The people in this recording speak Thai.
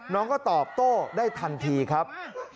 น้องก็ตอบโต้ได้ทันทีครับ